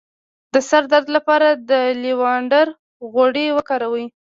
د سر درد لپاره د لیوانډر غوړي وکاروئ